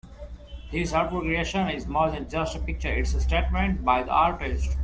This artful creation is more than just a picture, it's a statement by the artist.